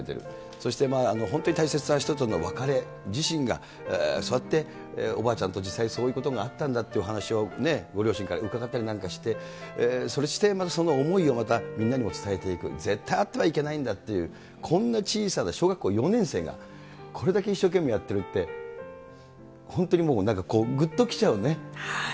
そして本当に大切な人との別れ、自身がそうやっておばあちゃんと実際、そういうことがあったんだっていう話を、ご両親から伺ったりなんかして、そしてまたその思いをみんなにも伝えていく、絶対あってはいけないんだっていう、こんな小さな小学校４年生が、これだけ一生懸命やってるって、本当にもう、なんかぐっときちゃうね。